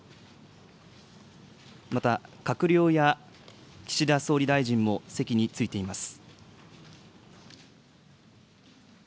また、閣僚や岸田総理大臣も席に着いています。